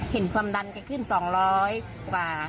เห็นความดันแกขึ้น๒๐๐กว่า